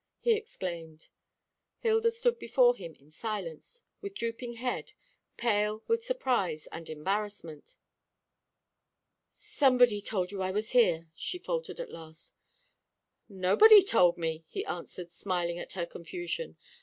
he exclaimed. Hilda stood before him in silence, with drooping head, pale with surprise and embarrassment. "Somebody told you I was here," she faltered at last. "Nobody told me," he answered, smiling at her confusion.